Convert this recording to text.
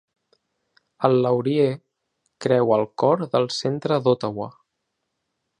El Laurier creua el cor del centre d'Ottawa.